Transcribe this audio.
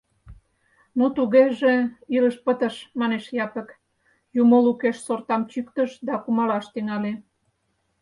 — Ну, тугеже илыш пытыш! — манеш Япык, юмо лукеш сортам чӱктыш да кумалаш тӱҥале.